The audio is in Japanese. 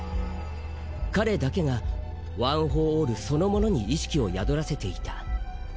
彼だけがワン・フォー・オールそのものに意識を宿らせていた。